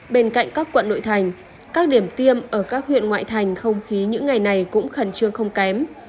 bên cạnh các quận nội thành các điểm tiêm ở các huyện ngoại thành không khí những ngày này cũng khẩn trương không kém